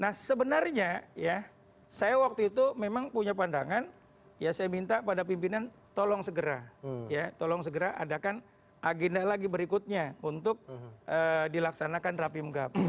nah sebenarnya ya saya waktu itu memang punya pandangan ya saya minta pada pimpinan tolong segera ya tolong segera adakan agenda lagi berikutnya untuk dilaksanakan rapim gap